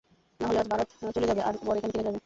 না হলে আজ বারাত চলে যাবে, আর বর এখানেই থেকে যাবে।